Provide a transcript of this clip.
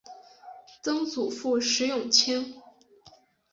曾祖父石永清。